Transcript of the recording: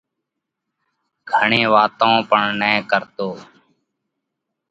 گھڻي واتون پڻ نہ ڪرتو۔